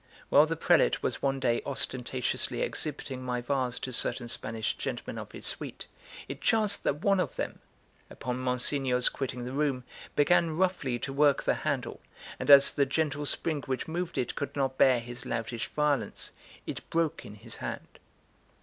While the prelate was one day ostentatiously exhibiting my vase to certain Spanish gentlemen of his suite, it chanced that one of them, upon Monsignor's quitting the room, began roughly to work the handle, and as the gentle spring which moved it could not bear his loutish violence, it broke in his hand.